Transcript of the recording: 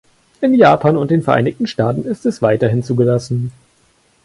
In Japan und den Vereinigten Staaten ist es weiterhin zugelassen.